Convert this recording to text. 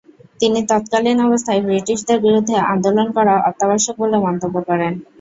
তিনি তৎকালীন অবস্থায় ব্রিটিশদের বিরুদ্ধে আন্দোলন করা অত্যাবশ্যক বলে মন্তব্য করেন।